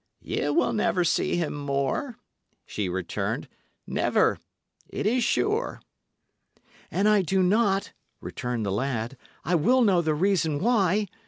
"Ye will never see him more," she returned "never. It is sure." "An I do not," returned the lad, "I will know the reason why.